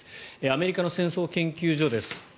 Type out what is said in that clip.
アメリカの戦争研究所です。